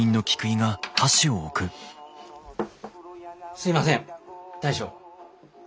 すいません大将。